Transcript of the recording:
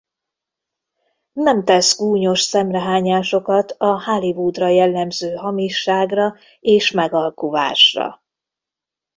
Nem tesz gúnyos szemrehányásokat a Hollywoodra jellemző hamisságra és megalkuvásra.